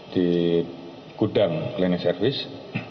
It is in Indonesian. di kudang cleaning service